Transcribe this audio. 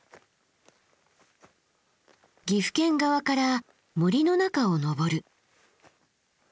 岐阜県側から森の中を登る。